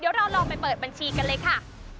เดี๋ยวเราลองไปเปิดบัญชีกันเลยค่ะ